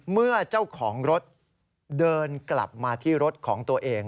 เมื่อเจ้าของรถเดินกลับมาที่รถของตัวเอง